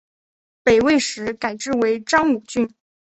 北魏时改置为章武郡。